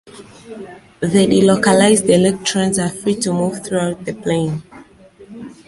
The delocalized electrons are free to move throughout the plane.